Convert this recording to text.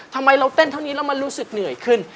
ทำไมเราเต้นเท่านี้แล้วมันรู้สึกเหนื่อยขึ้น